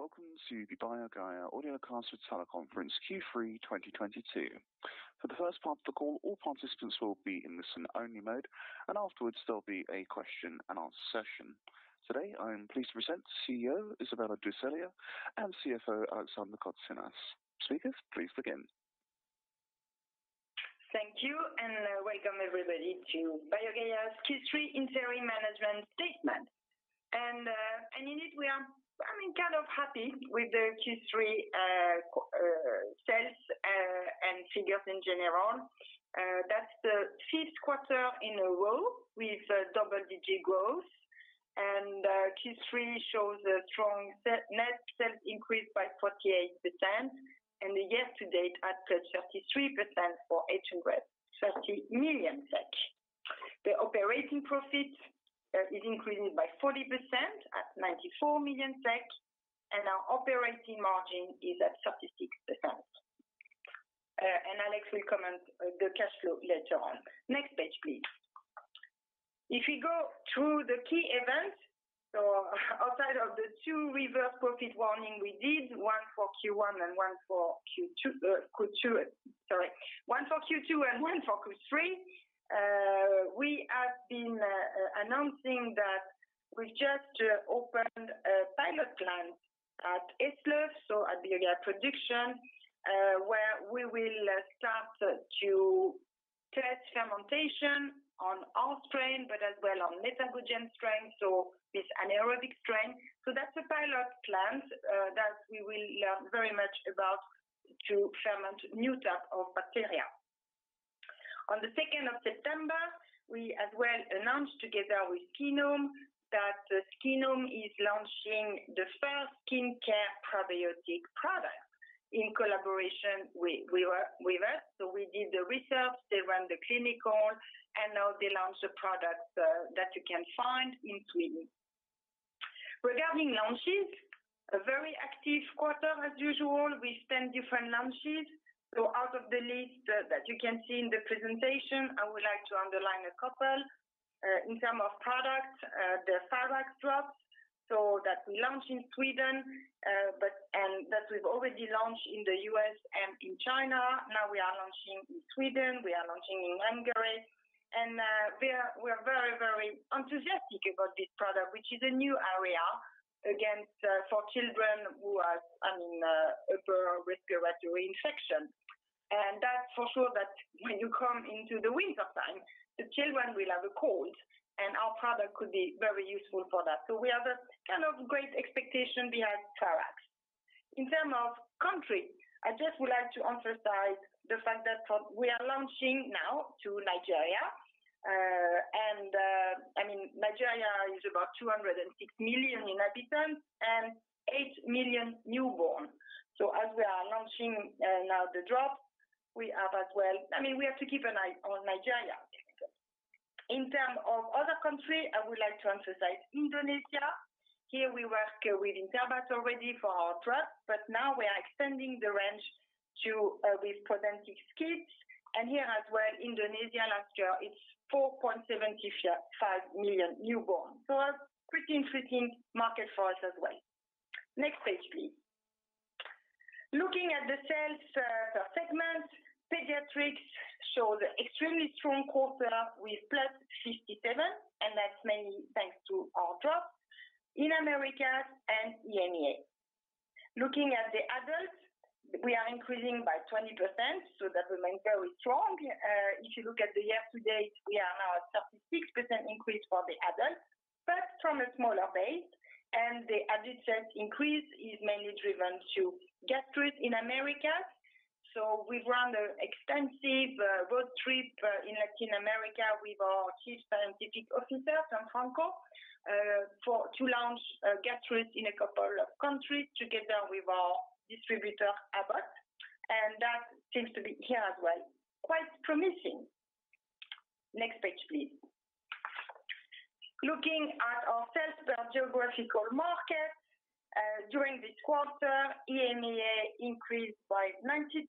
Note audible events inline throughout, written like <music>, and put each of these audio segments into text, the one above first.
Welcome to the BioGaia Audiocast Teleconference Q3 2022. For the first part of the call, all participants will be in listen only mode, and afterwards there'll be a question and answer session. Today, I am pleased to present CEO Isabelle Ducellier and CFO Alexander Kotsinas. Speakers, please begin. Thank you, and welcome everybody to BioGaia's Q3 Interim Management Statement. I mean, kind of happy with the Q3 sales and figures in general. That's the fifth quarter in a row with double-digit growth. Q3 shows a strong net sales increase by 48% and a year-to-date at 33% for 830 million SEK. The operating profit is increasing by 40% at 90 million SEK, and our operating margin is at 36%. Alex will comment the cash flow later on. Next page, please. If we go through the key events, so outside of the two reverse profit warnings we did, one for Q1 and one for Q2, sorry. One for Q2 and one for Q3. We have been announcing that we just opened a pilot plant at Eslöv so at BioGaia Production, where we will start to test fermentation on our strain, but as well on methanogen strain, so this anaerobic strain. That's a pilot plant that we will learn very much about to ferment new type of bacteria. On the second of September, we as well announced together with Skinome that Skinome is launching the first skincare probiotic product in collaboration with us. We did the research, they ran the clinical, and now they launch the products that you can find in Sweden. Regarding launches, a very active quarter as usual, with 10 different launches. Out of the list that you can see in the presentation, I would like to underline a couple. In terms of products, the Pharax drops that we launched in Sweden, but that we've already launched in the U.S. and in China. Now we are launching in Sweden, we are launching in Hungary. We are very, very enthusiastic about this product, which is a new area against for children who has, I mean, a upper respiratory infection. That's for sure that when you come into the wintertime, the children will have a cold, and our product could be very useful for that. We have a kind of great expectation behind Pharax. In terms of country, I just would like to emphasize the fact that we are launching now in Nigeria, and I mean Nigeria is about 206 million inhabitants and 8 million newborn. As we are launching now the drops, we have as well. I mean, we have to keep an eye on Nigeria. In terms of other countries, I would like to emphasize Indonesia. Here we work with Interbat already for our drops, but now we are extending the range to with Protectis Kids. And here as well, Indonesia last year is 4.75 million newborns. A pretty interesting market for us as well. Next page, please. Looking at the sales per segment, Pediatrics showed extremely strong quarter with +57%, and that's mainly thanks to our drops in Americas and EMEA. Looking at the adults, we are increasing by 20%, so that remains very strong. If you look at the year-to-date, we are now at 36% increase for the adult, but from a smaller base, and the adult sales increase is mainly driven to Gastrus in America. We've run a extensive road trip in Latin America with our chief scientific officer, Gianfranco, for to launch Gastrus in a couple of countries together with our distributor, Abbott. That seems to be here as well, quite promising. Next page, please. Looking at our sales per geographical market. During this quarter, EMEA increased by 90%,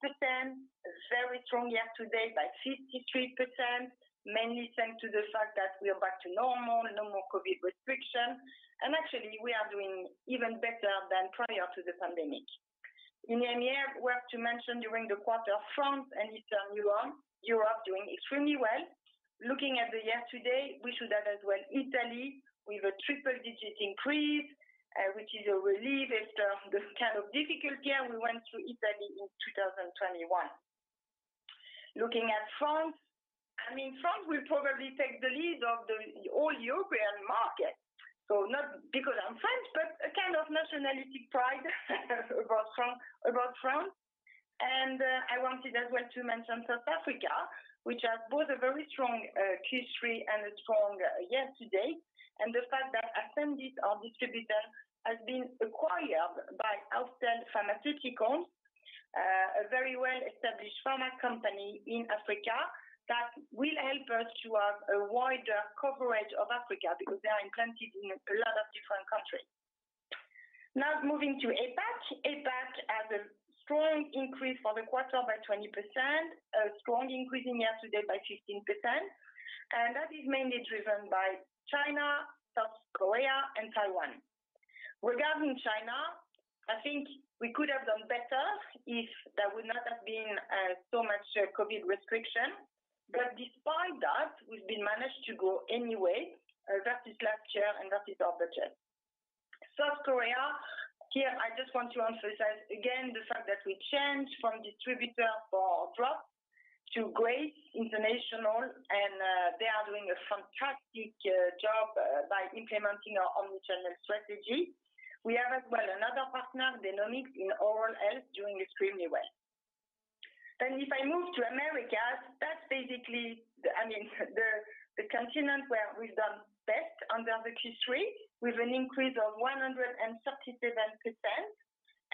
very strong year-to-date by 53%, mainly thanks to the fact that we are back to normal, no more COVID restriction. Actually, we are doing even better than prior to the pandemic. In EMEA, we have to mention during the quarter, France and Eastern Europe doing extremely well. Looking at the year-to-date, we should add as well Italy with a triple digit increase, which is a relief after the kind of difficult year we went through in Italy in 2021. Looking at France. I mean France will probably take the lead in the overall European market. Not because I'm French, but a kind of nationalistic pride about France. I wanted as well to mention South Africa, which has both a very strong Q3 and a strong year-to-date. The fact that Ascendis, our distributor, has been acquired by Austell Pharmaceuticals, a very well-established pharma company in Africa, will help us to have a wider coverage of Africa because they are implanted in a lot of different countries. Now moving to APAC. APAC saw an increase for the quarter by 20%. A strong increase year-to-date by 15%, and that is mainly driven by China, South Korea, and Taiwan. Regarding China, I think we could have done better if there would not have been so much COVID restriction. Despite that, we've managed to grow anyway versus last year, and versus our budget. South Korea, here I just want to emphasize again the fact that we changed from distributor <inaudible> to Grace International and they are doing a fantastic job by implementing our omnichannel strategy. We have as well another partner, Denomic, in oral health doing extremely well. If I move to the Americas, that's basically the continent where we've done best in Q3, with an increase of 137%,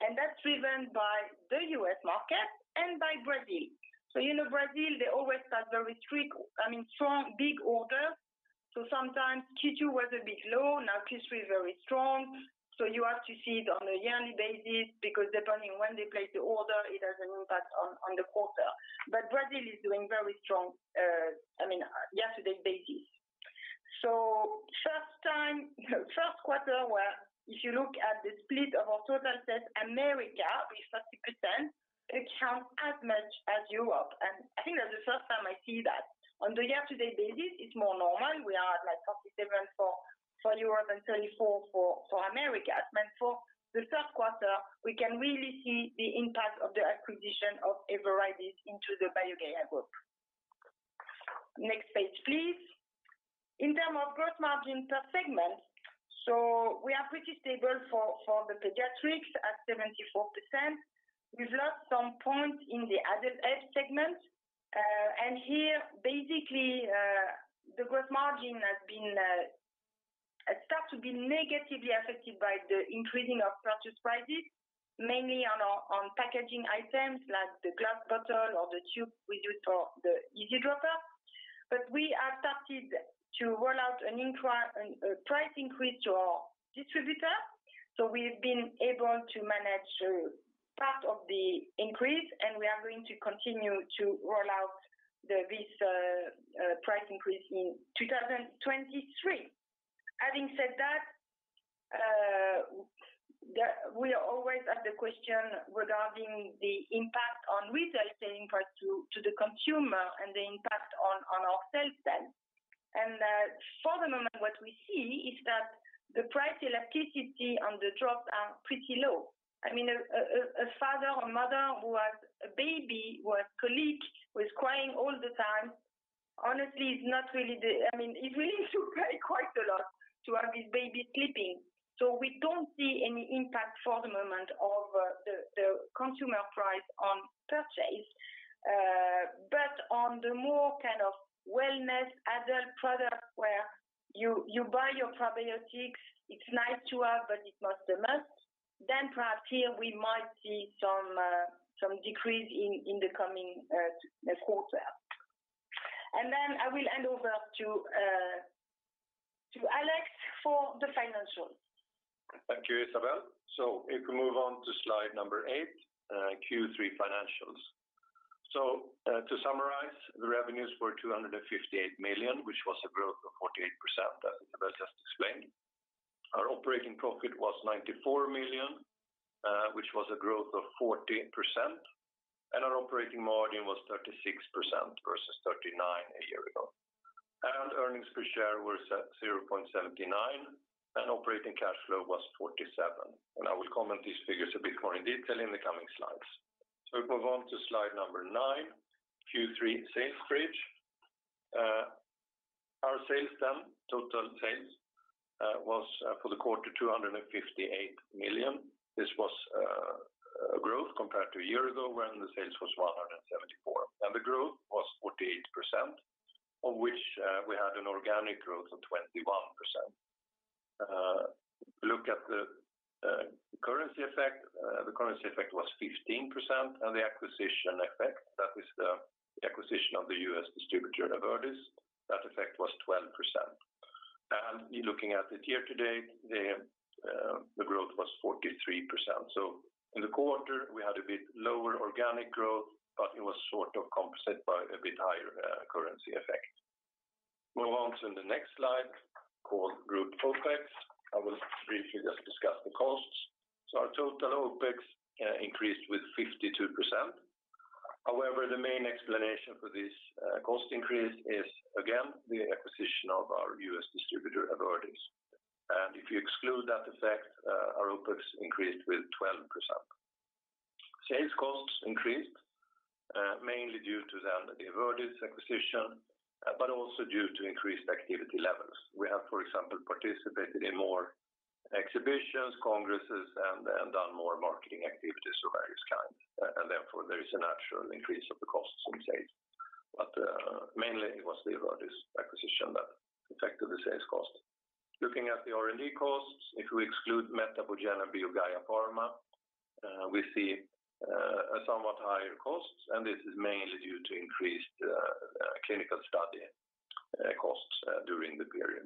and that's driven by the U.S. market and by Brazil. You know Brazil, they always have very strict, I mean, strong big orders. Sometimes Q2 was a bit low, now Q3 is very strong. You have to see it on a yearly basis because depending when they place the order, it has an impact on the quarter. Brazil is doing very strong, I mean on a year to date basis. First time first quarter where if you look at the split of our total sales, Americas with 30% accounts for as much as Europe, and I think that's the first time I see that. On the year to date basis, it's more normal. We are at like 37% for Europe and 34% for Americas. For the third quarter, we can really see the impact of the acquisition of Everidis into the BioGaia group. Next page, please. In terms of gross margin per segment, we are pretty stable for the pediatrics at 74%. We've lost some points in the adult health segment. Here, basically, the gross margin has started to be negatively affected by the increase in purchase prices, mainly on packaging items like the glass bottle or the tube we use for the Easy Dropper. We have started to roll out a price increase to our distributor, so we've been able to manage part of the increase, and we are going to continue to roll out this price increase in 2023. Having said that, we are always asked the question regarding the impact on retail selling price to the consumer and the impact on our sales then. For the moment what we see is that the price elasticity on the drops are pretty low. I mean, a father or mother who has a baby who has colic, who is crying all the time, honestly is willing to pay quite a lot to have this baby sleeping. We don't see any impact for the moment of the consumer price on purchase. But on the more kind of wellness adult product where you buy your probiotics, it's nice to have, but it's not a must, then perhaps here we might see some decrease in the coming quarter. I will hand over to Alex for the financials. Thank you, Isabelle. If we move on to slide number 8, Q3 financials. To summarize, the revenues were 258 million, which was a growth of 48% as Isabelle just explained. Our operating profit was 94 million, which was a growth of 14%, and our operating margin was 36% versus 39% a year ago. Earnings per share were set at 0.79, and operating cash flow was 47 million. I will comment these figures a bit more in detail in the coming slides. If we move on to slide number 9, Q3 sales bridge. Our sales then, total sales, was for the quarter 258 million. This was a growth compared to a year ago when the sales was 174 million. The growth was 48%, of which we had an organic growth of 21%. Look at the currency effect. The currency effect was 15%, and the acquisition effect, that is the acquisition of the U.S. distributor Everidis, that effect was 12%. You're looking at it year to date, the growth was 43%. In the quarter, we had a bit lower organic growth, but it was sort of compensated by a bit higher currency effect. Move on to the next slide, called Group OpEx. I will briefly just discuss the costs. Our total OpEx increased with 52%. However, the main explanation for this cost increase is again the acquisition of our U.S. distributor, Everidis. If you exclude that effect, our OpEx increased with 12%. Sales costs increased mainly due to the Everidis acquisition, but also due to increased activity levels. We have, for example, participated in more exhibitions, congresses and done more marketing activities of various kind. And therefore, there is a natural increase of the costs on sales. Mainly it was the Everidis acquisition that affected the sales cost. Looking at the R&D costs, if we exclude MetaboGen and BioGaia Pharma, we see a somewhat higher costs, and this is mainly due to increased clinical study costs during the period.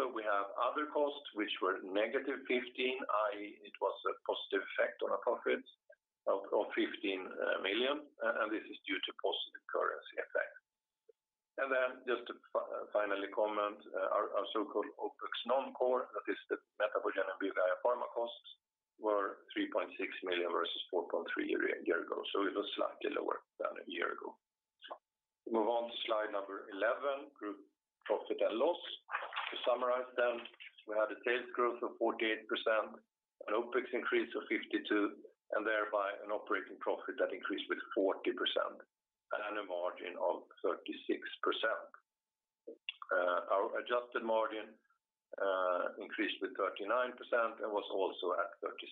We have other costs which were negative 15, i.e., it was a positive effect on our profits of 15 million, and this is due to positive currency effect. Just to finally comment, our so-called OpEx non-core, that is the MetaboGen and BioGaia Pharma costs were 3.6 million versus 4.3 million a year ago. It was slightly lower than a year ago. Move on to slide number 11, group profit and loss. To summarize them, we had a sales growth of 48%, an OpEx increase of 52%, and thereby an operating profit that increased with 40% and a margin of 36%. Our adjusted margin increased with 39% and was also at 36%.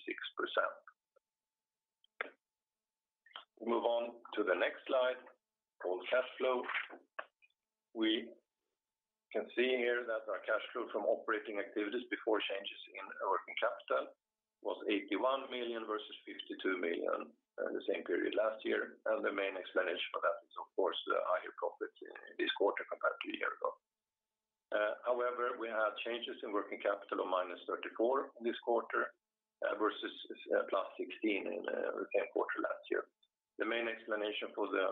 Move on to the next slide called cash flow. We can see here that our cash flow from operating activities before changes in working capital was 81 million versus 52 million in the same period last year. The main explanation for that is of course the higher profit in this quarter compared to a year ago. However, we have changes in working capital of -34 this quarter, versus, +16 in the same quarter last year. The main explanation for the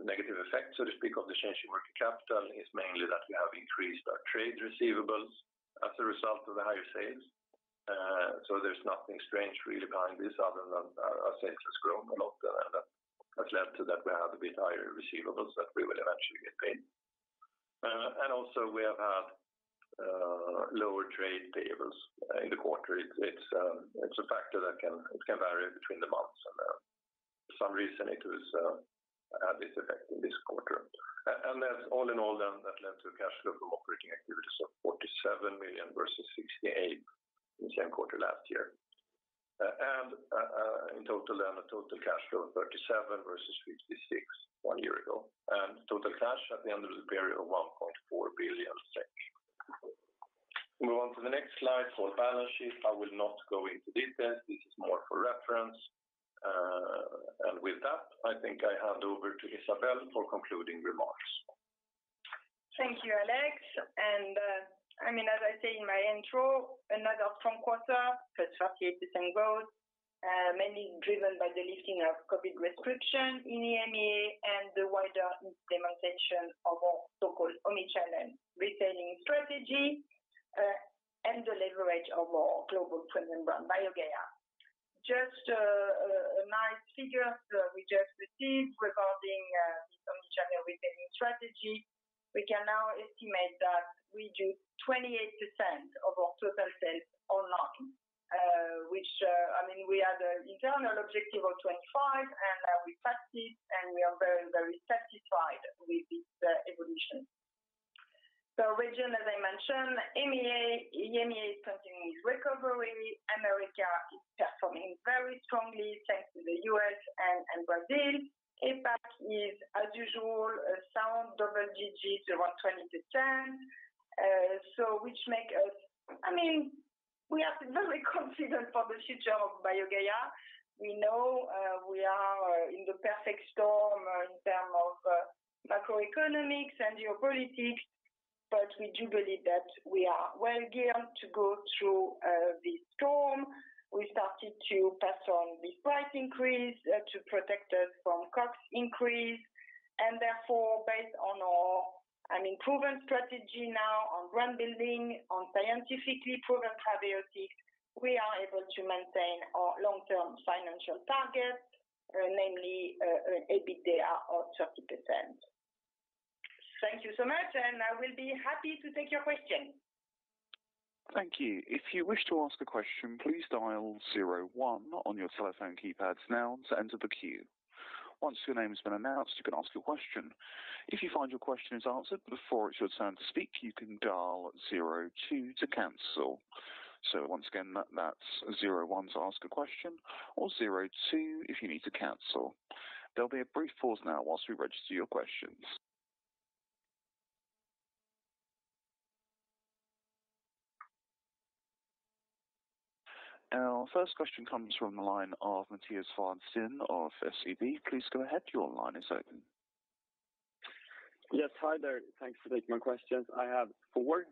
negative effect, so to speak, of the change in working capital is mainly that we have increased our trade receivables as a result of the higher sales. There's nothing strange really behind this other than our sales has grown a lot and that has led to that we have a bit higher receivables that we will eventually get paid. Also we have had lower trade payables in the quarter. It's a factor that can vary between the months and for some reason it had this effect in this quarter. That's all in all then that led to a cash flow from operating activities of 47 million versus 68 million in the same quarter last year. In total then a total cash flow of 37 million versus 56 million one year ago. Total cash at the end of the period of 1.4 billion. Move on to the next slide for balance sheet. I will not go into details. This is more for reference. With that, I think I hand over to Isabelle for concluding remarks. Thank you, Alex. I mean, as I said in my intro, another strong quarter with 38% growth, mainly driven by the lifting of COVID restriction in EMEA and the wider implementation of our so-called omnichannel retailing strategy, and the leverage of our global premium brand BioGaia. Just, a nice figure we just received regarding this omnichannel retailing strategy. We can now estimate that we do 28% of our total sales online, which, I mean, we had an internal objective of 25, and we passed it, and we are very, very satisfied with this evolution. Regions, as I mentioned, EMEA is continuing its recovery. America is performing very strongly thanks to the U.S. and Brazil. APAC is as usual, a sound double digits around 20%. We are very confident for the future of BioGaia. We know, we are in the perfect storm in terms of macroeconomics and geopolitics, but we do believe that we are well geared to go through this storm. We started to pass on this price increase to protect us from cost increase. Therefore, based on our, I mean, proven strategy now on brand building, on scientifically proven probiotics, we are able to maintain our long-term financial targets, namely an EBITDA of 30%. Thank you so much, and I will be happy to take your questions. Thank you. If you wish to ask a question, please dial 0 1 on your telephone keypads now to enter the queue. Once your name has been announced, you can ask your question. If you find your question is answered before it's your turn to speak, you can dial 0 2 to cancel. So once again, that's 0 1 to ask a question or 0 2 if you need to cancel. There'll be a brief pause now while we register your questions. Our first question comes from the line of Mattias Vadsten of SEB. Please go ahead. Your line is open. Yes. Hi there. Thanks for taking my questions. I have four.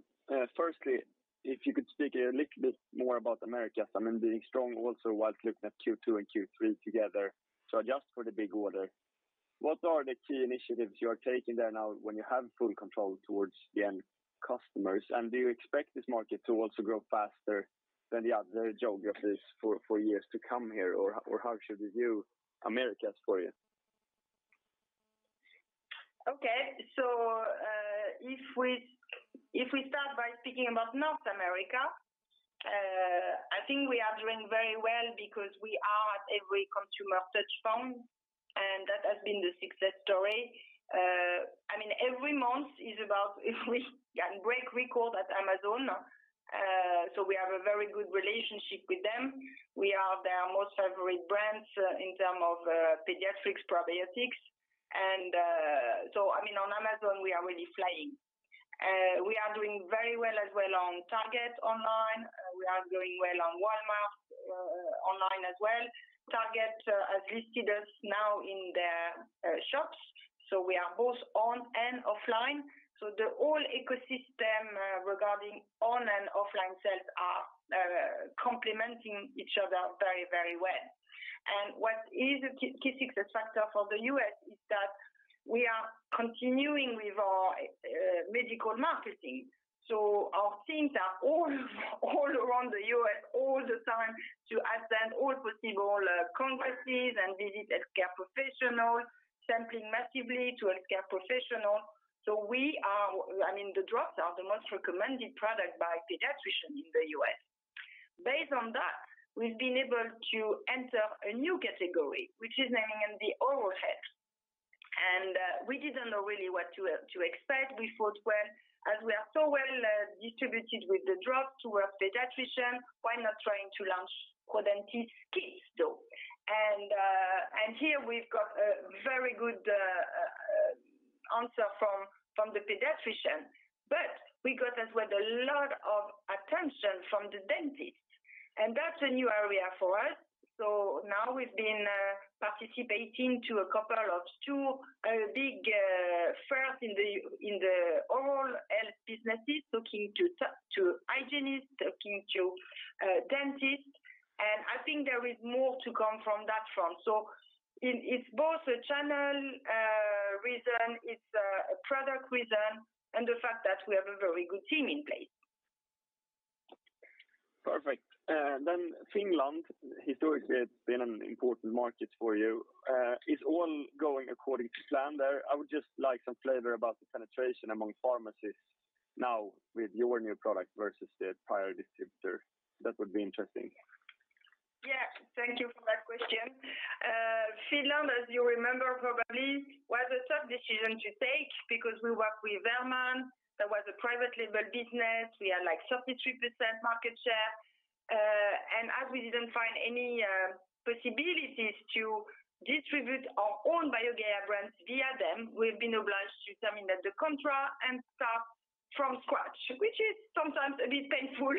Firstly, if you could speak a little bit more about Americas, I mean, being strong also whilst looking at Q2 and Q3 together. Adjust for the big order. What are the key initiatives you are taking there now when you have full control towards the end customers? And do you expect this market to also grow faster than the other geographies for years to come here or how should we view Americas for you? Okay. If we start by speaking about North America, I think we are doing very well because we are at every consumer touch point, and that has been the success story. I mean, every month it's about if we can break records at Amazon. We have a very good relationship with them. We are their most favorite brands in terms of pediatrics probiotics. I mean, on Amazon, we are really flying. We are doing very well as well on Target online. We are doing well on Walmart online as well. Target has listed us now in their shops, so we are both on and offline. The whole ecosystem regarding on and offline sales are complementing each other very, very well. What is a key success factor for the U.S. is that we are continuing with our medical marketing. Our teams are all around the U.S. all the time to attend all possible conferences and visit health care professionals, sampling massively to health care professionals. We are. I mean, the drops are the most recommended product by pediatricians in the U.S. Based on that, we've been able to enter a new category, which is aiming in the oral health. We didn't know really what to expect. We thought, well, as we are so well distributed with the drops towards pediatrician, why not trying to launch for dentist kids, though. Here we've got a very good answer from the pediatrician. We got as well a lot of attention from the dentist, and that's a new area for us. Now we've been participating to a couple of two big fairs in the oral health businesses, talking to to hygienists, talking to dentists. I think there is more to come from that front. It's both a channel reason, it's a product reason, and the fact that we have a very good team in place. Perfect. Finland historically has been an important market for you. Is all going according to plan there? I would just like some flavor about the penetration among pharmacies now with your new product versus the prior distributor. That would be interesting. Yeah. Thank you for that question. Finland, as you remember probably, was a tough decision to take because we work with Verman. That was a private label business. We had like 33% market share. And as we didn't find any possibilities to distribute our own BioGaia brands via them, we've been obliged to terminate the contract and start from scratch, which is sometimes a bit painful,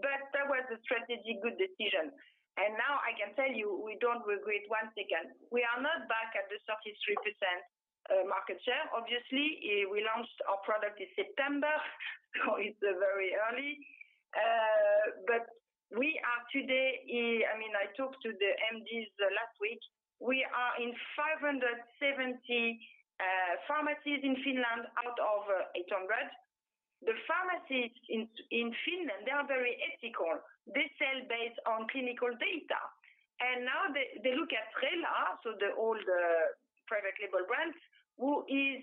but that was a strategic good decision. Now I can tell you we don't regret one second. We are not back at the 33% market share, obviously. We launched our product in September, so it's very early. But we are today. I mean, I talked to the MDs last week. We are in 570 pharmacies in Finland out of 800. The pharmacies in Finland, they are very ethical. They sell based on clinical data. Now they look at Rela, so the older private label brands, who is,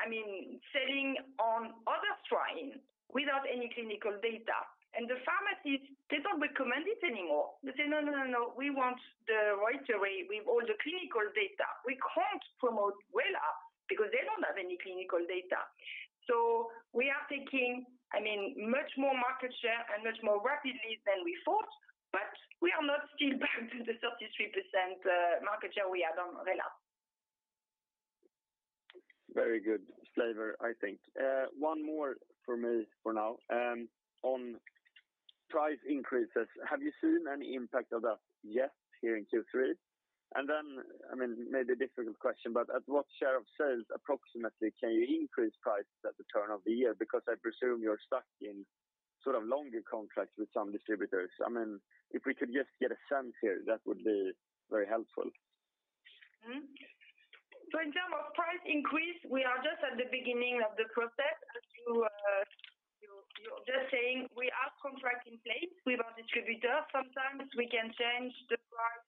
I mean, selling on other strain without any clinical data. The pharmacies, they don't recommend it anymore. They say, "No, no, no, we want the Rela with all the clinical data. We can't promote Rela because they don't have any clinical data." We are taking, I mean, much more market share and much more rapidly than we thought, but we are not still back to the 33% market share we had on Rela. Very good flavor, I think. One more from me for now, on price increases. Have you seen any impact of that yet here in Q3? I mean, maybe a difficult question, but at what share of sales approximately can you increase prices at the turn of the year? Because I presume you're stuck in sort of longer contracts with some distributors. I mean, if we could just get a sense here, that would be very helpful. In terms of price increase, we are just at the beginning of the process. As you're just saying we have a contract in place with our distributor. Sometimes we can change the price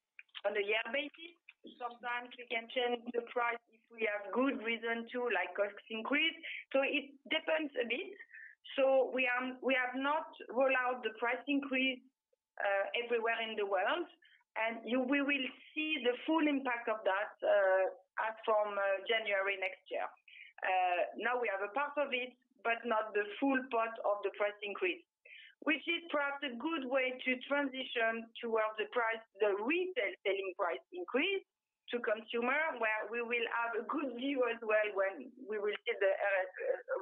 on a yearly basis. Sometimes we can change the price if we have good reason to, like cost increase. It depends a bit. We have not rolled out the price increase everywhere in the world. We will see the full impact of that as from January next year. Now we have a part of it, but not the full part of the price increase, which is perhaps a good way to transition towards the price, the retail selling price increase to consumer, where we will have a good view as well when we will see the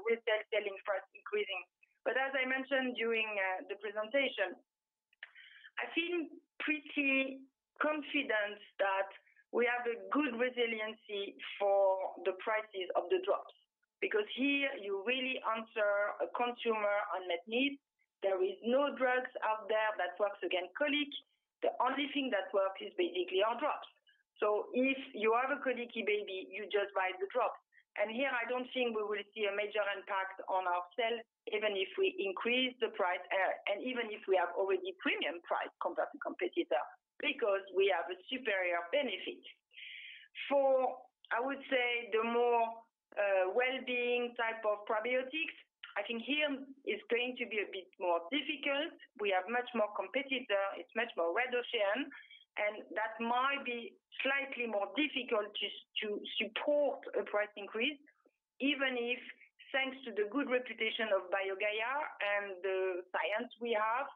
retail selling price increasing. As I mentioned during the presentation, I feel pretty confident that we have a good resiliency for the prices of the drops because here you really answer a consumer unmet need. There is no drugs out there that works against colic. The only thing that works is basically our drops. So if you have a colicky baby, you just buy the drops. And here I don't think we will see a major impact on our sales even if we increase the price, and even if we have already premium price compared to competitor because we have a superior benefit. For, I would say, the more well-being type of probiotics, I think here it's going to be a bit more difficult. We have much more competition, it's much more red ocean, and that might be slightly more difficult to support a price increase even if thanks to the good reputation of BioGaia and the science we have,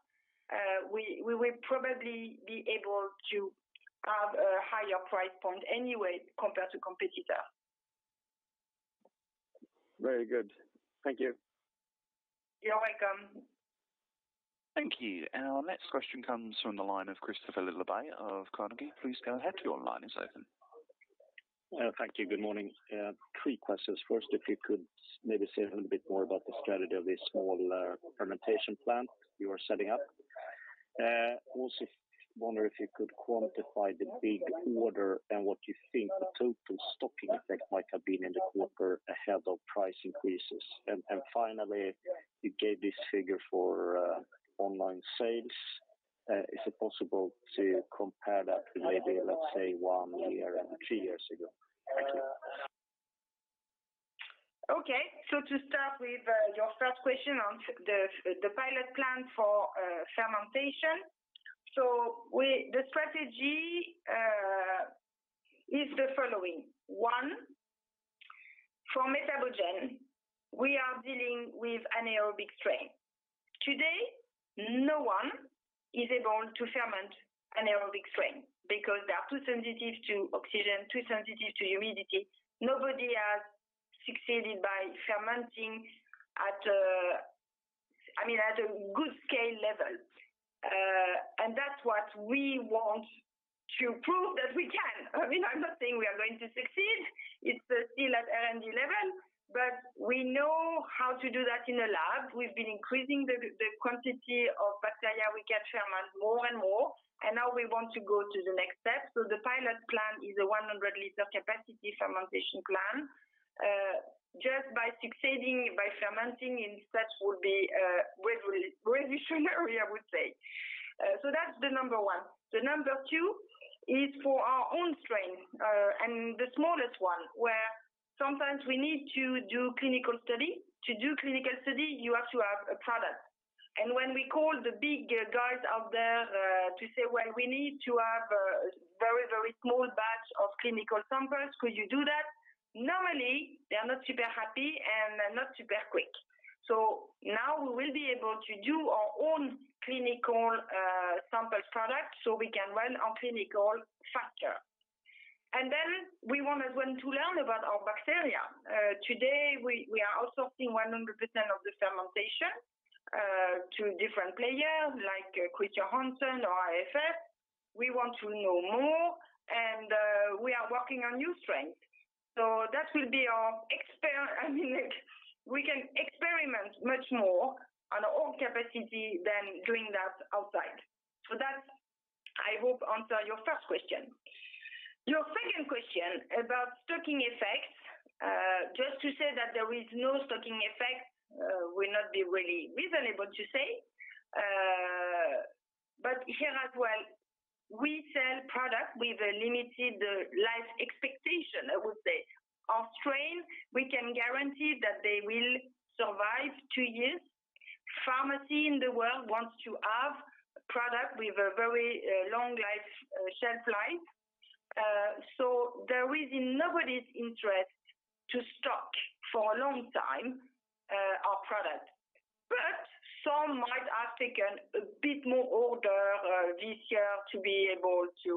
we will probably be able to have a higher price point anyway compared to competitors. Very good. Thank you. You're welcome. Thank you. Our next question comes from the line of Kristoffer Liljeberg of Carnegie. Please go ahead. Your line is open. Thank you. Good morning. Three questions. First, if you could maybe say a little bit more about the strategy of the small fermentation plant you are setting up. Also wonder if you could quantify the big order and what you think the total stocking effect might have been in the quarter ahead of price increases. Finally, you gave this figure for online sales. Is it possible to compare that with maybe, let's say, one year and three years ago? Thank you. To start with, your first question on the pilot plant for fermentation. The strategy is the following. One, for MetaboGen, we are dealing with anaerobic strain. Today, no one is able to ferment anaerobic strain because they are too sensitive to oxygen, too sensitive to humidity. Nobody has succeeded by fermenting at a good scale level. I mean, that's what we want to prove that we can. I'm not saying we are going to succeed. It's still at R&D level, but we know how to do that in a lab. We've been increasing the quantity of bacteria we can ferment more and more, and now we want to go to the next step. The pilot plant is a 100-liter capacity fermentation plant. Just by succeeding by fermenting in such a way would be revolutionary, I would say. That's the number one. The number two is for our own strain and the smallest one, where sometimes we need to do clinical study. To do clinical study, you have to have a product. When we call the big guys out there to say, "Well, we need to have a very, very small batch of clinical samples, could you do that?" Normally, they are not super happy and not super quick. Now we will be able to do our own clinical sample production, so we can run our clinicals faster. Then we want as well to learn about our bacteria. Today, we are outsourcing 100% of the fermentation to different players like Chr. Hansen or IFF. We want to know more and we are working on new strains. I mean, we can experiment much more on our own capacity than doing that outside. That, I hope, answer your first question. Your second question about stocking effects, just to say that there is no stocking effect will not be really reasonable to say. Here as well, we sell product with a limited life expectation, I would say. Our strain, we can guarantee that they will survive two years. Pharmacies in the world wants to have product with a very long shelf life. It's in nobody's interest to stock for a long time our product. Some might have taken a bit more order this year to be able to,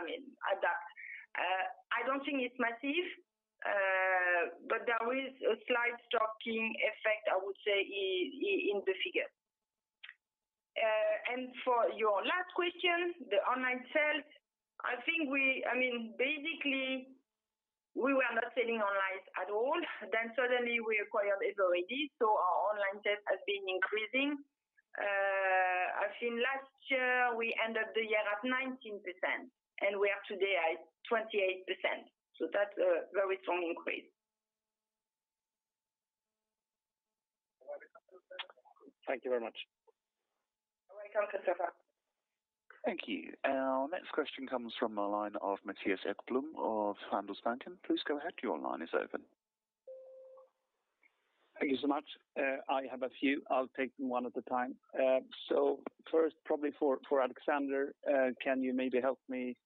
I mean, adapt. I don't think it's massive, but there is a slight stocking effect, I would say, in the figure. For your last question, the online sales, I think we—I mean, basically, we were not selling online at all. We suddenly acquired Everidis, so our online sales has been increasing. I think last year we ended the year at 19%, and we are today at 28%. That's a very strong increase. Thank you very much. You're welcome, Kristoffer. Thank you. Our next question comes from the line of Mattias Häggblom of Handelsbanken. Please go ahead. Your line is open. Thank you so much. I have a few. I'll take them one at a time. First, probably for Alexander, can you maybe help me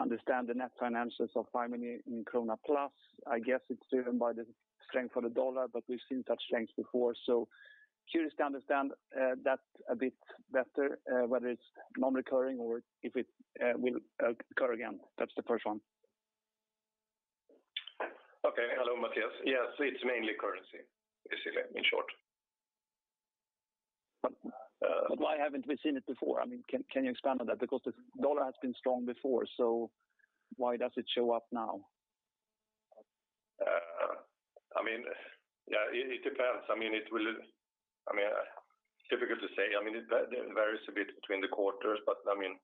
understand the net financials of 5 million krona plus? I guess it's driven by the strength of the dollar, but we've seen that strength before. Curious to understand that a bit better, whether it's non-recurring or if it will occur again. That's the first one. Okay. Hello, Mattias. Yes, it's mainly currency, basically, in short. Why haven't we seen it before? I mean, can you expand on that? Because the U.S. dollar has been strong before, so why does it show up now? I mean, yeah, it depends. I mean, difficult to say. I mean, it varies a bit between the quarters, but I mean,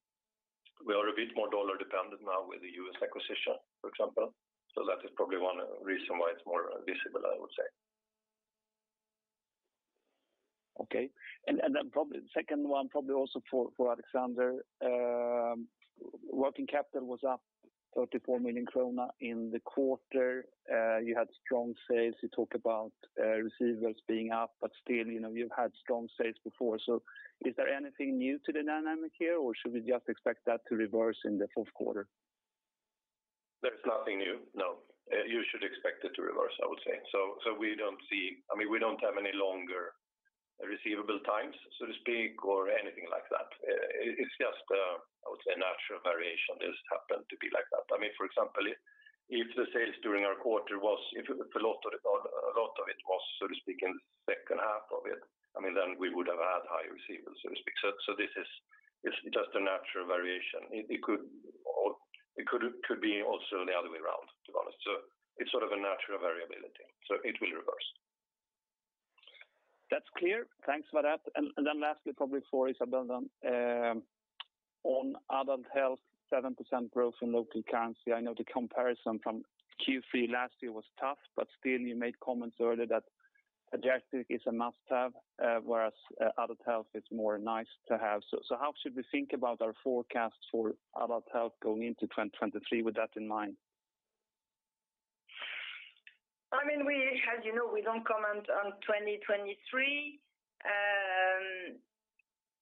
we are a bit more dollar dependent now with the U.S. acquisition, for example. That is probably one reason why it's more visible, I would say. Okay. Probably the second one, probably also for Alexander. Working capital was up 34 million krona in the quarter. You had strong sales. You talked about receivables being up, but still, you know, you've had strong sales before. Is there anything new to the dynamic here, or should we just expect that to reverse in the fourth quarter? There's nothing new, no. You should expect it to reverse, I would say. I mean, we don't have any longer receivable times, so to speak, or anything like that. It's just a, I would say, natural variation. It just happened to be like that. I mean, for example, if a lot of it was, so to speak, in the second half of it, I mean, then we would have had higher receivables, so to speak. This is just a natural variation. It could be also the other way around, to be honest. It's sort of a natural variability, so it will reverse. That's clear. Thanks for that. Lastly, probably for Isabelle. On adult health, 7% growth in local currency. I know the comparison from Q3 last year was tough, but still you made comments earlier that Protectis is a must-have, whereas adult health is more nice to have. How should we think about our forecasts for adult health going into 2023 with that in mind? I mean, we as you know, we don't comment on 2023.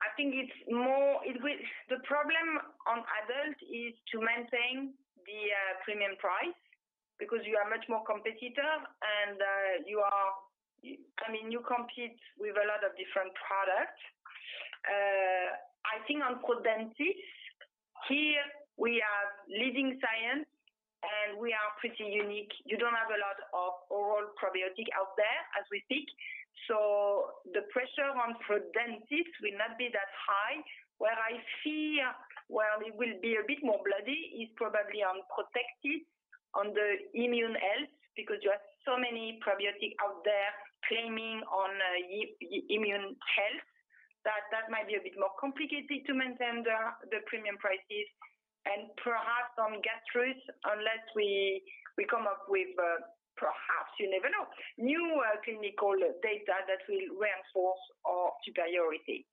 I think it's more. The problem on adult is to maintain the premium price because there are much more competitors. I mean, you compete with a lot of different products. I think on Prodentis, here we are leading science, and we are pretty unique. You don't have a lot of oral probiotic out there as we speak. The pressure on Prodentis will not be that high. Where I fear where it will be a bit more bloody is probably on Protectis, on the immune health, because you have so many probiotics out there claiming on your immune health that that might be a bit more complicated to maintain the premium prices and perhaps on Gastrus unless we come up with perhaps you never know new clinical data that will reinforce our superiority.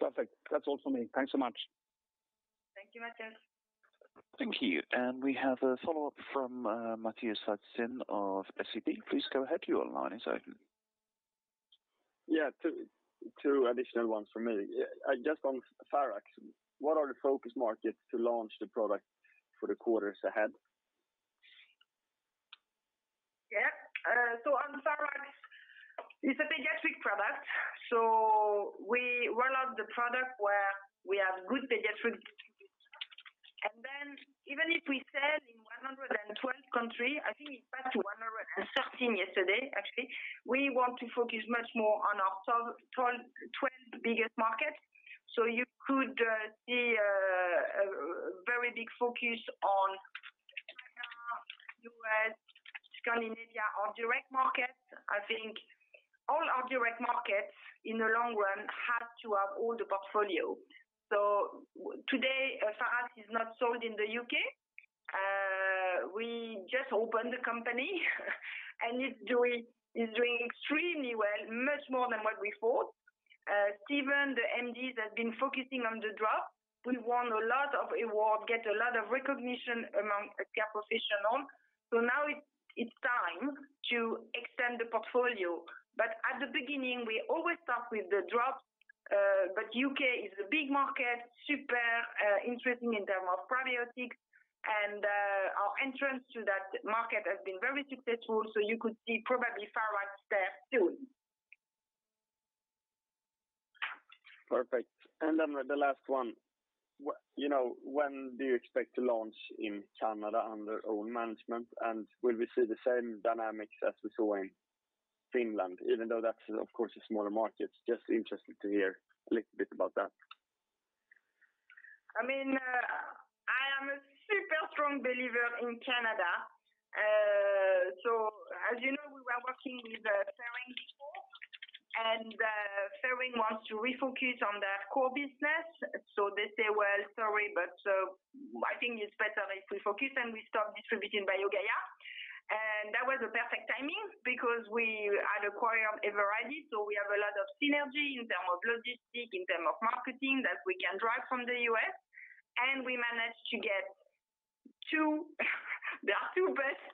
Perfect. That's all for me. Thanks so much. Thank you, Mattias. Thank you. We have a follow-up from Mattias Vadsten of SEB. Please go ahead. Your line is open. Yeah. Two additional ones for me. Just on Pharax. What are the focus markets to launch the product for the quarters ahead? On Pharax, it's a pediatric product. We roll out the product where we have good pediatricians. Even if we sell in 112 countries, I think it passed 113 yesterday actually, we want to focus much more on our 12 biggest markets. You could see a very big focus on China, U.S., Scandinavia, our direct markets. I think all our direct markets in the long run have to have all the portfolio. Today, Pharax is not sold in the U.K. We just opened the company, and it's doing extremely well, much more than what we thought. Stephen, the MD, has been focusing on the drops. We won a lot of awards, get a lot of recognition among the healthcare professionals. Now it's time to extend the portfolio. At the beginning we always start with the drop. U.K. is a big market, super interesting in terms of probiotics and our entrance to that market has been very successful. You could see probably Pharax there soon. Perfect. The last one. You know, when do you expect to launch in Canada under own management? And will we see the same dynamics as we saw in Finland, even though that's of course a smaller market? Just interested to hear a little bit about that. I mean, I am a super strong believer in Canada. As you know, we were working with Ferring before, and Ferring wants to refocus on their core business. They say, "Well, sorry, but I think it's better if we focus," and we stop distributing BioGaia. That was a perfect timing because we had acquired Everidis, so we have a lot of synergy in terms of logistics, in terms of marketing that we can drive from the U.S. We managed to get their two best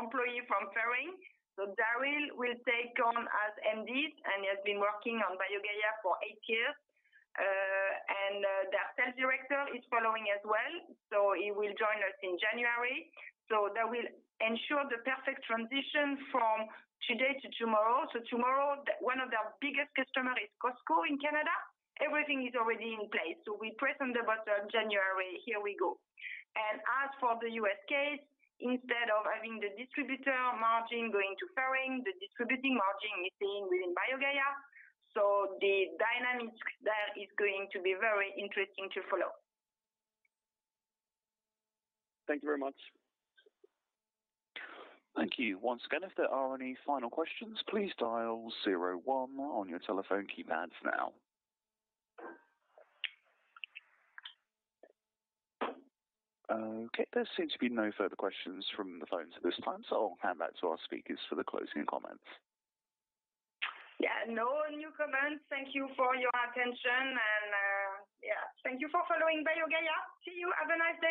employees from Ferring. Daryl will take on as MD, and he has been working on BioGaia for eight years. Their sales director is following as well, so he will join us in January. That will ensure the perfect transition from today to tomorrow. One of their biggest customer is Costco in Canada. Everything is already in place. We press the button in January, here we go. As for the U.S. case, instead of having the distributor margin going to Ferring, the distributor margin is staying within BioGaia. The dynamics there is going to be very interesting to follow. Thank you very much. Thank you. Once again, if there are any final questions, please dial 0 1 on your telephone keypads now. Okay, there seems to be no further questions from the phones at this time, so I'll hand back to our speakers for the closing comments. Yeah, no new comments. Thank you for your attention and, yeah, thank you for following BioGaia. See you. Have a nice day.